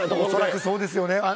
恐らく、そうですよね。